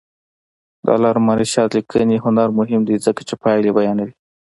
د علامه رشاد لیکنی هنر مهم دی ځکه چې پایلې بیانوي.